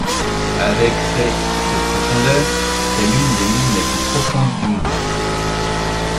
Avec ses de profondeur, c'est l'une des mines les plus profondes du monde.